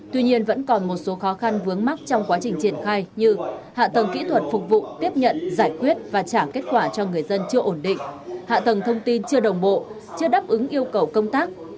tuy nhiên vẫn còn một số khó khăn vướng mắt trong quá trình triển khai như hạ tầng kỹ thuật phục vụ tiếp nhận giải quyết và trả kết quả cho người dân chưa ổn định hạ tầng thông tin chưa đồng bộ chưa đáp ứng yêu cầu công tác